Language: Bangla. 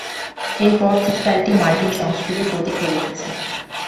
এরপর থেকে গাড়িটি মার্কিন সংস্কৃতির প্রতীক হয়ে উঠেছে।